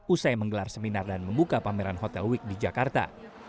usai menggelar seminar dan membuka pameran hotel week di jakarta